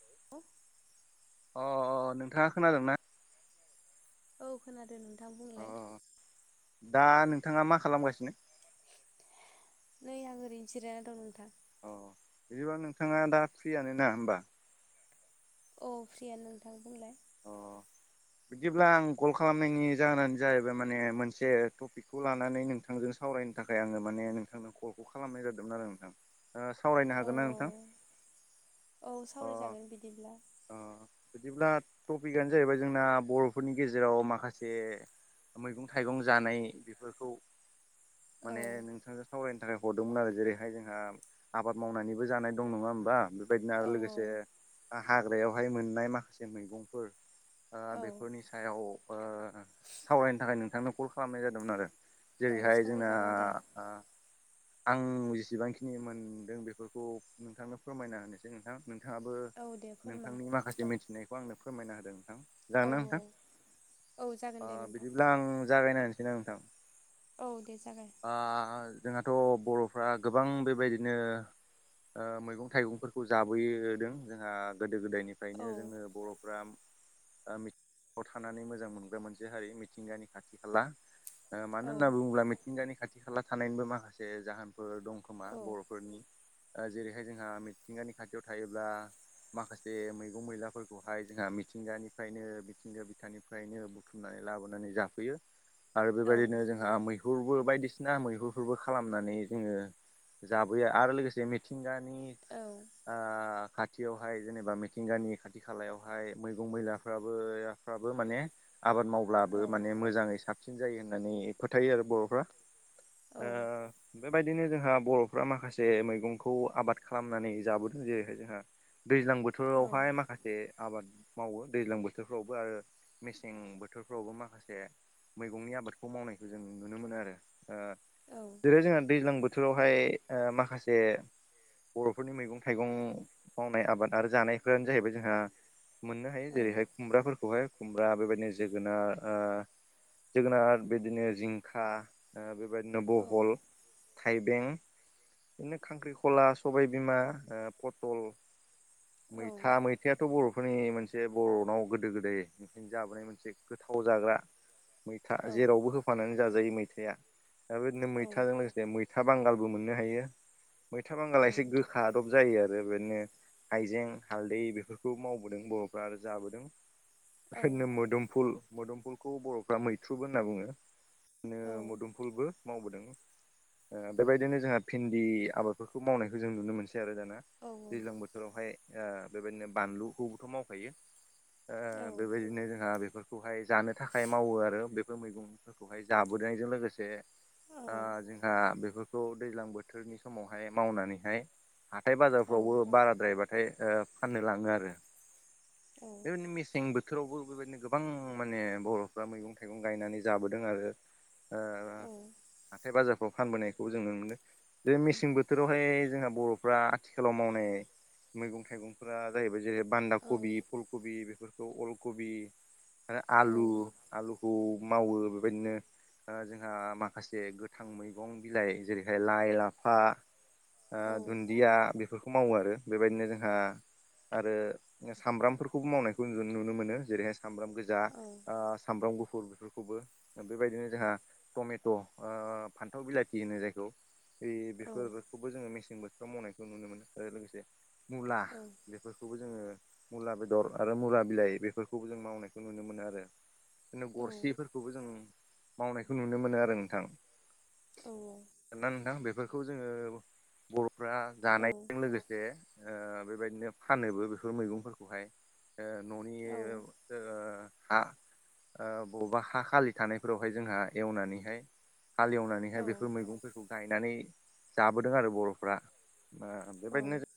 [unintelligible] अ अ नोंथाङा खोनादों ना औ खोनादों नोंथां अ बुंलाय दा नोंथाङा मा खालामगासिनो नै आं ओरैनो जिरिेा दं नोंथां अ बिदिबा नोंथाङा दा फ्रियानो ना होमबा औ प्रियानो नोंथां बुंलाय अ बिदिब्ला आं कल खालामनायनि जाहोनानो जाहैबाय माने मोनसे टपिक खौ लानानै नोंथांजों सावरायनो थाखाय आङो माने नोंथांनो कलखौ खालामनाय जादोंमोन आरो नोंथां ओ सावरायनो औ हागोन ना नोंथां औ औ अ सावरायजागोन बिदिब्ला अ बिदिब्ला टपिकआनो जाहैबाय जोंना बर'फोरनि गेजेराव माखासे मैगं थाइगं जानाय बेफोरखौ औ माने नोंथां सावरायनो थाखाय हरदोंमोन आरो जेरैहाय जोंहा आबाद मावनानैबो जानाय दं नङा होमबा बेबायदिनो आरो औ लोगोसे हाग्रायावहाय मोननाय माखासे मैगंफोर ओ औ बेफोरनि सायाव सावरायनो थाखाय नोंथांनो कल खालामनाय जादोंमोन आरो जेरैहाय जोंना सावरायजागोन दे आं जेसेबांखिनि मोनदों बेफोरखौ नोंथांनो फोरमायना होनोसै नोंथां नोंथाङाबो औ दे फोरमाय नोंथांनि माखासे मिथिनायखौ आंनो फोरमायना होदों नोंथां जागोन औ ना नोंथां औ जागोन ओ दे नोंथां बिदिब्ला आं जागायना होनसैना नोंथां औ दे जागाय ओ जोंहाथ' बर'फ्रा गोबां बेबायदिनो ओ मैगं थाइगंफोरखौ जाबोदों जोंहा गोदो औ गोदायनिफ्रायनो जोंङो बर' [unintelligible] ओ मिथिंगायाव थानानै मोजां मोनग्रा मोनसे हारि मिथिंगानि खाथि खाला मानो औ होनना बुङोब्ला मिथिंगानि खाथि खाला थानायनिबो माखासे जाहोनफोर दं खोमा औ बर'फोरनि जेरैहाय जोंहा मिथिंगानि खाथियाव थायोब्ला माखासे मैगं मैलाफोरखौ बेहाय जोंहा मिथिंगानिफ्रायनो मिथिंगा बिखानिफ्रायनो बुथुमनानै लाबोनानै जाफैयो आरो औ बेबायदिनो जोंहा मैहुरबो बायदिसिना मैहुरफोरबो खालामनानै जोङो जाबोयो आरो लोगोसे मिथिंगानि औ ओ खाथियावहाय जेनेबा मिथिंगानि खाथि खाथि खालायावहाय मैगं मैलाफ्राबोफ्राबो माने आबाद मावब्लाबो औ माने मोजाङै साबफसिन साबसिन जायो होननानै फोथायो आरो बर'फ्रा ओ बेबायदिनो जोंहा बर'फ्रा माखासे मैगंखौ आबाद खालामनानै जाबोदों जेरैहाय जोंहा दैज्लां बोथोरावहाय माखासे बे आबाद मावो दैज्लां बोथोरफ्रावबो आरो मेसें बोथोरफ्रावबो माखासे मैगंनि आबादखौ मावनायखौ जों नुनो मोनो आरो ओ औ जेरै जोंहा दैज्लां बोथोरावहाय माखासे बर'फोरनि मैगं थाइगं मावनाय आबाद आरो जानायफोरानो जाहैबाय जों मोननो हायो जेरैहाय खुमब्राफोरखौहाय खुमब्रा बेबायदिनो जोगोनार ओ जोगोनार बिदिनो जिंखा बेबायदिनो बहल थाइबें बिदिनो खांख्रिखला सबायबिमा पथल औ मैथा मै मैथायाथ' बर'फोरनि मोनसे बर'नाव गोदो गोदाय जाबोनाय मोनसे गोथाव जाग्रा मैथा औ जेरावबो होफानानै जाजायो मैथाया दा बेदिनो औ मैथाजों लोगोसे मैथा मैथा बांगालबो मोननो हायो मैथा बांगाला एसे गो खा दब जायो आरो बिदिनो हइजें हालदै बे बेफोरखौ मावबोदों बर'फ्रा आरो जाबोदों बिदिनो मोदोमफुल मोदोमफुल खौ बर'फ्रा मैथ्रुबो होनना बुङो बिनो मोदोमफुलबो मावबोदों बेबायदिनो जोंहा भिन्दि आबादफोरखौ मावनायखौ जों नुनो मोनसै आरो दाना दैज्लां बोथोरावहाय बेबायदिनो बानलुखौबोथ' मावखायो ओ औ बेबायदिनो जोंहा बेफोर खौहाय जानो थाखाय मावो आरो बेफोर मैगंफोरखौहाय जाबोनायजों लोगोसे जोंहा बेफोरखौ दैज्लां बोथोरनि समावहाय मावनानैहाय हाथाय बाजारफ्रावबो बाराद्रायबाथाय फाननो लाङो आरो बेबादिनो मेसें बो थोरावबो बेबायदिनो गोबां माने बर'फ्रा मैगं थाइगं गायनानै जाबोदों आरो ओ औ हाथाय बाजारफ्राव फानबोनायखौ जोंङो मोनदों बे मेसें बोथोरावहाय जोंहा बर'फ्रा आथिखालाव मावनाय मैगं थाइगंफोरा जाहैबाय जेरै बान्दा कबि फुल कबि बेफोरखौ अलकबि आलु आलुखौ मावो बेबायदिनो जोंहा माखासे गोथां मैगं बिलाइ जेरैहाय लाइ लाफा ओ दुन्दिया बेफोरखौ मावो आरो बेबायदिनो जोंहा आरो सामब्रामफोरखौबो मावनायखौ नुनो मोनो जेरैहाय सामब्राम गोजा जा सामब्राम गुफुर बे खौबो बेबायदिनो जोंहा टमेट' फान्थाव बिलाथि होनो जायखौ बे बेफोरखौबो जोङो मेसें बोथोराव मावनायखौ नुनो मोनो आरो लोगोसे मुला बेफोरखौबो जोङो मुला बेदर आरो मुला बिलाइ बेफोरखौबो जों मावनायखौ नुनो मोनो आरो बिदिनो गरसिफोरखौबो जों मावनायखौ नुनो मोनो आरो नोंथां औ दाना नोंथां बेफोरखौ जोङो बर'फ्रा जानायजों लोगोसे ओ बेबायदिनो फानोबो बेफोर मैगंफोरखौहाय न'नि हा ओ बबावबा हा खालि थानायफोरावहाय जोंहा एवनानैहाय हाले एवनानै नैहाय बेफोर मैगंफोरखौ गायनानै जाबोदों आरो बर'फ्रा बेबायदिनो जों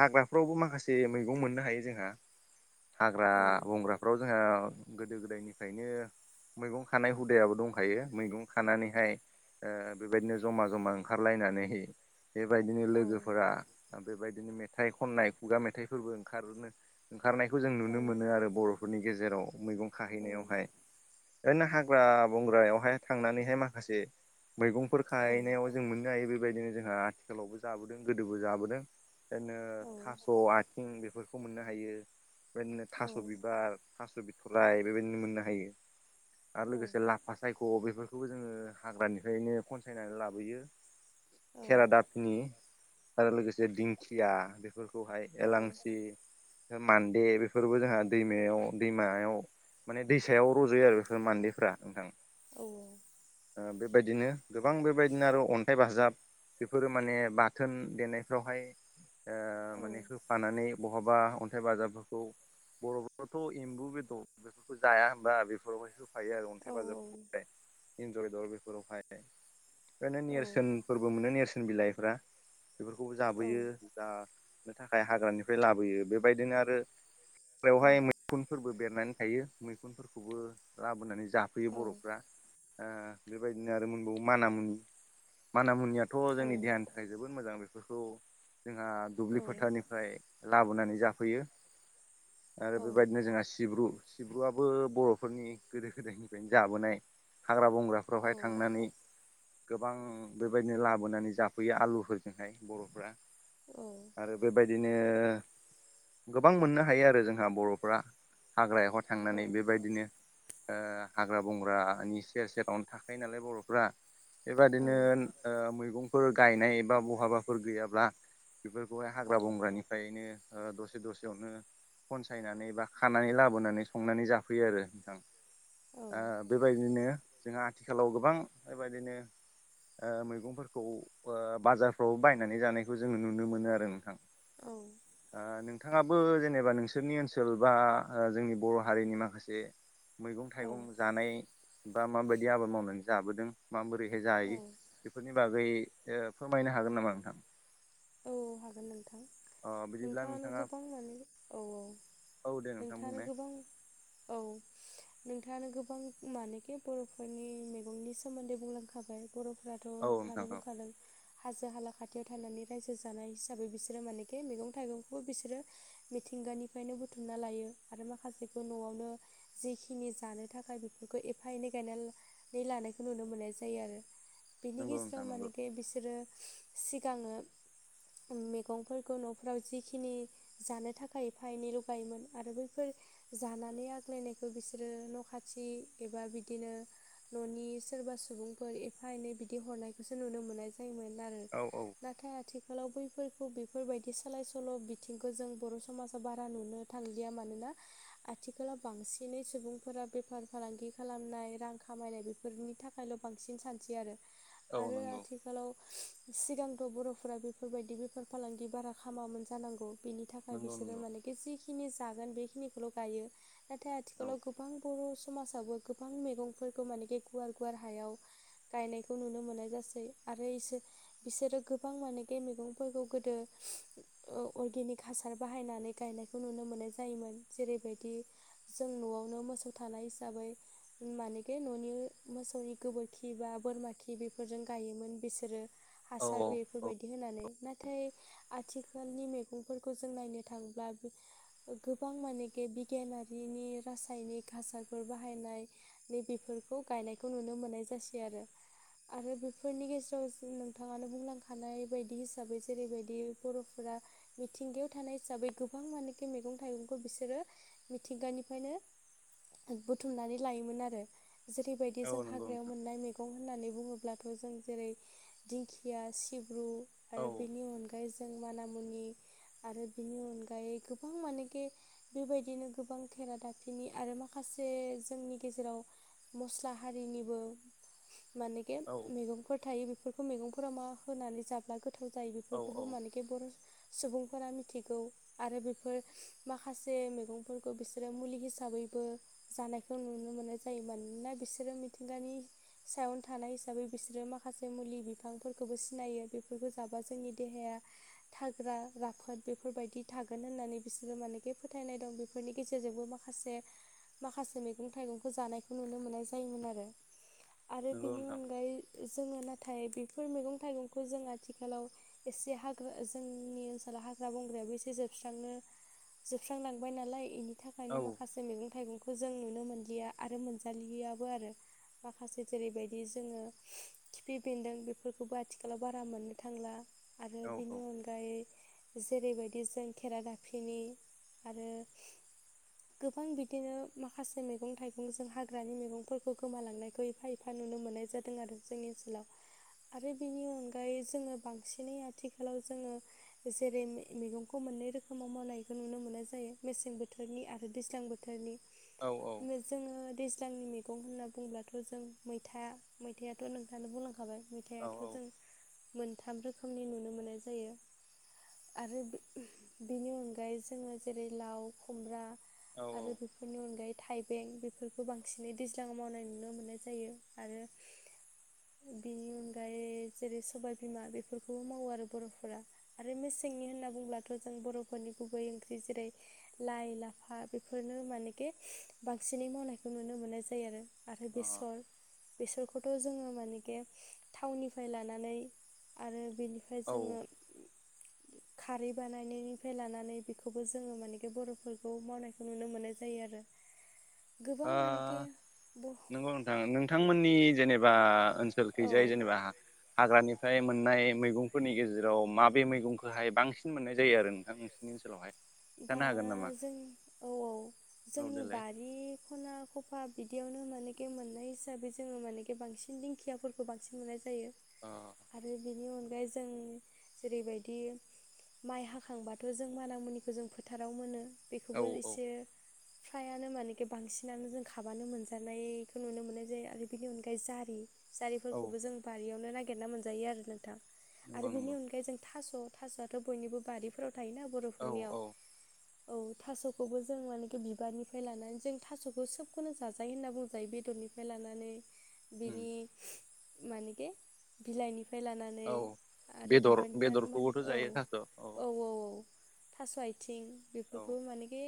हाग्राफ्रावबो माखासे मैगं मोननो हायो जोंहा हाग्रा बंग्रा फ्राव जोंहा गोदो गोदायनिफ्रायनो मैगं खानाय हुदायाबो दंखायो मैगं खानानैहाय बेबायदिनो जमा जमा ओंखारलायनानै बेबायदिनो लोगोफोरा बेबायदिनो मेथाइ खननाय खुगा मेथाइफोरबो ओंखारो ओंखारनायखौ जों नुनो मोनो आरो बर'फोरनि गेजेराव मैगं खाहैनायावहाय ओरैनो हाग्रा बंग्रायावहाय थांनानैहाय माखासे मैगंफोर खाहैनायाव जों मोननो हायो बेबायदिनो जोंहा आथिखालावबो जाबोदों गोदोबो जाबोदों बिनो थास' आथिं बेफोरखौ मोननो हायो बेदिनो थास' बिबार थास' बिथ'राय बेबायदिनो मोननो हायो आरो लोगोसे ला लाफासायख' बेफोरखौबो जोंङो हाग्रानिफ्रायनो खनसायनानै लाबोयो खेरादा फिनि आरो लोगोसे दिंखिया बेफोरखौहाय एलांसि मान्दे बेफोरबो जोंहा दैमायाव दैमायाव माने दैसायाव रज'यो आरो बेफोर मान्दैफ्रा नोंथां औ औ ओ बेबायदिनो गोबां बेबायदिनो आरो अन्थाइ बाजाब बेफोरो माने बाथोन देनायफ्रावहाय ओ माने हो फानानै बहाबा अन्थाइ बाजाबफोरखौ बर'फ्राथ' एम्बु बेदर बेफोरखौ जाया होनबा बेफोरावहाय होफायो आरो अन्थाइ बाजाबफोरखौ इन्जय बेदर बेफोरावहाय ओरैनो नेरसोनफोरबो मोनो नेरसोन बिलाइफोरा बेफोरखौबो औ जाबोयो जानो थाखाय हाग्रानिफ्राय लाबोयो बेबायदिनो आरो औ हाग्रायावहाय मैखुनफोरबो बेरनानै थायो मैखुनफोरखौबो लाबोनानै जाफैयो बर'फ्रा ओ बेबायदिनो आरो मोनबावो मानामुनि मानामुनियाथ' जोंनि देहानि थाखाय जोबोद मोजां बेफोरखौ जोंहा दुब्लि फोथानिफ्राय लाबोनानै जाफैयो आरो बेबायदिनो जोंहा सिब्रु सिब्रुआबो बर'फोरनि गोदो गोदायनिफ्रायनो जाबोनाय हाग्रा बंग्रा फोरावहाय थांनानै गोबां बेबायदिनो लाबोनानै जाफैयो आलुफोरजोंहाय बर'फ्रा औ आरो बेबायदिनो गोबां मोननो हायो आरो जोंहा बर'फ्रा हाग्रायावहा थांनानै बेबायदिनो ओ हाग्रा बंग्रानि सेर सेरावनो थाखायो नालाय बर'फ्रा बेबादिनो मैगंफोर गायनाय एबा बहाबाफोर गैयाब्ला बेफोरखौहाय हाग्रा बंग्रानिफ्रायनो दसे दसेयावनो खनसायनानै बा खानानै लाबोनानै संनानै जाफैयो आरो नोंथां बेबायदिनो जोंहा आथिखालाव गोबां बेबायदिनो मैगंफोरखौ बाजारफ्राव बायनानै जानायखौ जोंङो नुनो मोनो आरो नोंथां औ नोंथांङाबो जेनेबा नोंसोरनि ओनसोल बा जोंनि बर' हारिनि माखासे मैगं थाइगं जानाय बा माबायदि आबाद मावनानै जाबोदों माबोरैहाय जायो। बेफोरनि बागै फोरमायनो हागोन नामा नोंथां? औ हागोन नोंथां अ बिदिब्ला नोंथांङानो नोंथाङा गोबां माने औ औ औ दे नोंथां नोंथांङानो बुंनाय गोबां औ नोंथांङानो गोबां मानेखि बर'फोरनि मैगंनि सोमोन्दै बुंलांखाबाय बर'फोरा थ' औ नोंथां नोंथांङा औ बुंखादों हाजो हाला खाथियाव थानानै रायजो जानाय हिसाबै बिसोरो मानेखि मैगं थाइगंखौबो बिसोरो मिथिंगानिफ्रायनो बुथुमना लायो आरो माखासेखौ न'आवनो जिखिनि जानो थाखाय बेफोरखौ एफा एनै गायना नै लानायखौ नुनो मोननाय जायो आरो बिनि नंगौ नोंथां गेजेराव नंगौ मानेखि बिसोरो सिगांङो मैगंफोरखौ न'फोराव जिखिनि जानो थाखाय एफा एनैल' गायोमोन आरो बैफोर जानानै आग्लायनायखौ बिसोरो न' खाथि एबा बिदिनो न'नि सोरबा सुबुंफोर एफा एनै बिदि हरनायखौसो नुनो मोननाय जायोमोन आरो औ औ नाथाय आरो आथिखालाव बैफोरखौ बेफोरबायदि सोलाय सोल' बिथिंखौ जों बर' समाजाव बारा नुनो थांलिया मानोना आथिखालाव बांसिनै सुबुंफोरा बेफार फालांगि खालामनाय रां खामायनाय बेफोरनि थाखायल' बांसिन सानसै आरो औ आरो नंगौ आथिखालाव सिगांथ' बर' फ्रा बेफोरबायदि बेफार फालांगि बारा खामामोन जानांगौ बेनि थाखाय नंगौ बिसोरो नंगौ माने जिखिनि जागोन बेखिनिखौल' गायो नाथाय औ आथिखालाव गोबां बर' समाजाबो गोबां मैगंफोरखौ मानेखि गुवार गुवार हायाव गायनायखौ नुनो मोननाय जासै आरो‌ इसोर बिसोरो गोबां मानेखि मैगंफोरखौ गोदो अरगेनिक हासार बाहायनानै गायनायखौ नुनो मोननाय जायोमोन जेरैबायदि जों न'आवनो मोसौ थानाय हिसाबै मानेखि न'नि मोसौनि गोबोरखि बा बोरमा खि बेफोरजों गायोमोन बिसोरो। औ हासार बे औ बेफोरबायदि होनानै नाथाय आथिखालनि मैगंफोरखौ जों नायनो थाङोब्ला गोबां मानेखि बिगियानारिनि रासायनिक हासारफोर बाहायनाय नै बेफोरखौ गायनायखौ नुनो मोननाय जासै आरो। आरो बेफोरनि गेजेराव नोंथाङानो बुंलांखा नाय बायदि हिसाबै जेरैबायदि बर'फोरा मिथिंगायाव थानाय हिसाबै गोबां मानोखि मैगं थाइगंखौ बिसोरो मिथिंगानिफ्रायनो बुथुमनानै लायोमोन आरो जेरै बेबायदि औ जों नंगौ हाग्रायाव नोंथां मोननाय मैंगं होननानै बुङोब्लाथ' जों जेरै दिंखिया सिब र्रु औ आरो बेनि अनगायै जों माना मुनि आरो बिनि अनगायै गोबां मानेखि बेबायदिनो गोबां खेरा दाफिनि आरो माखासे जोंनि गेजेराव मस्ला हारिनिबो मानेखे औ मैगंफोर थायो बेफोरखौ मैगंफोरा मा होनानै जाब्ला गो गोथाव जायो औ औ बेफोरखौबो मानेखि बर' सुबुंफोरा मिथिगौ। आरो बेफोर माखासे मैगंफोरखौ बिसोरो मुलि हिसाबैबो जानायखौ नुनो मोननाय जायो मानोना बिसोरो मिथिंगानि सायावन थानाय हिसाबै बिसोरो माखासे मुलि बिफांफोरखौ खौ सिनायो बेफोरखौ जाबा जोंनि देहाया थाग्रा राफोद बेफोरबायदि थागोन होननानै बिसोरो मानेखि फोथायनाय दं। बेनि फोरनि गेजेरजोंबो माखासे माखासे मैगं थाइगंखौ जानायखौ नुनो मोननाय जायोमोन आरो। आरो नंगौ बेनि नोंथां अनगायै जोङो नाथाय बेफोर मैगं थाइगंखौ जों आथिखालाव एसे हाग्रा जोंनि ओनसोलाव हाग्रा बंग्रायाबो एसे जोबस्रांनो जोबस्रांलांबाय नालाय बेनि औ थाखायनो माखासे ज मैगं थाइगंखौ जों नुनो मोनलिया आरो मोनजालियाबो आरो। माखासे जेरैबायदि जोङो खिफि बेन्दों बेफोर फोरफोरखौबो आथिखालाव बारा मोननो थांला आरो औ औ बेनि अनगा ओमफ्राय जेरैबायदि जों केेरादाफिनि आरो [inaudible] गोबां बिदिनो माखासे मैगं थाइगंजों हाग्रानि मैगंफोरखौ गोमालांनायखौ एफा एफा नुनो मोननाय जादों आरो जोंनि ओनसोलाव। आरो बेनि अनगायै जोङो बांसिनै आथिखालाव जोङो जेरै मैगंखौ मोननै रोखोमाव मावनायखौ नुनो मोननाय जायो मेसें बोथोरनि आरो दैज्लां बोथोर दानि औ औ जोङो दैज्लांनि मैगं होनना बुङोब्लाथ' जों मैथा मैथायाथ' नोंथाङानो बुंलांखाबाय। औ मेथायाइआथ' जों मोनथाम रोखोमनि नुनो मोननाय जायो। आरो बेनि अनगायै जोङो जेरै लाव खुमब्रा आरो औ बेफोरनि अनगायै थाइबें बेफोरखौ बांसिनै दैज्लाङाव मावनाय नुनो मोननाय जायो आरो बेनि अनगायै जेरै सबाबिमा बेफोरखौबो मावो आरो बर'फोरा। आरो मेसेंनि होनना बुंङोब्लाथ' जों बर'फोरनि गुबै ओंख्रि जेरै लाइ लाफा बेफोरनो मानेखि बांसिनै मावनायखौ नुनो मोननाय जायो आरो। आरो बेसर बेसरखौथ' जोङो मानेखे थावनिफ्राय लानानै आरो बेनिफ्राय औ जोङो [inaudible] खारै बानायनायनिफ्राय लानानै बेखौबो जोङो मानेखि बर'फोरखौ मावनायखौ नुनो मोननाय जायो आरो। गोबां आ मानेखे ब नोंगौ नोंथांमोननि जेनेबा औ ओनसोलखैजाय जेनेबा हाग्रानिफ्राय मोननाय मैगंफोरनि गेजेराव माबे मैगंखौहाय बांसिन मोननाय जायो आरो नोंथां नोंसि नि ओनसोलावहाय दा खिथानो हागोन नामा जों औ-औ औ जोंनि बा देलाय रि खना खफ बिदियावनो मानेे मोननाय हिसाबै जोङो मानेे बांसिन दिंखियाफोर खौ बांसिन मोननाय जायो अ आरो बेनि अनगायै जों जेरैबायदि माइ हाखांबाथ' जों मान मुनिखौ जों फोथाराव मोनो। बेखौबो औ औ एसे फ्रायानो मानेखि बांसिनानो जों खाबानो मोनजानायखौ नुनो मोननाय जायो आरो बेनि अनगायै जारि औ जारिफोरखौबो जों बारियावनो नागिरना मोनजायो आरो नोंथां आरो नंगौ बिनि नंगौ अनगायै जों थास' थास'आथ' बयनिबो बारिफोराव थायोना औ बर'फोरनियाव औ औ थास'खौबो जों मानेखि बिबारनिफ्राय लानानै जों थास'खौ सोबखौनो जाजायो होनना बुंजायो बेदरनि लानानै उम मानेखे बिलाइनिफ्राय लानानै औ आरो बेदर बिबार निफ्राय माने बेदरखौबोथ' जायो थास' औ औ-औ-औ-औ थास' आथिं औ बेफोरखौबो मानेखि